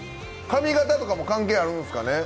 髪形とかも関係あるんですかね？